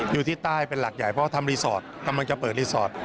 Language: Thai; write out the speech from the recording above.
อยู่ที่ใต้เป็นหลักใหญ่เพราะทำรีสอร์ทกำลังจะเปิดรีสอร์ท